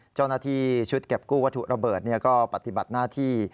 เจ้าหน้าที่ชุดเก็บกู้วัตถุระเบิดก็ปฏิบัติหน้าที่